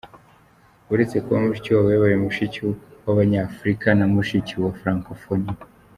Uretse kuba Mushikiwabo yabaye Mushiki w’Abanyafurika na Mushiki wa Francophonie.